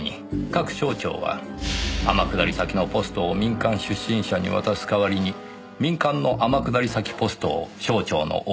各省庁は天下り先のポストを民間出身者に渡す代わりに民間の天下り先ポストを省庁のＯＢにもらう。